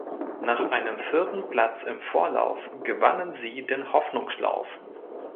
Nach einem vierten Platz im Vorlauf gewannen sie den Hoffnungslauf.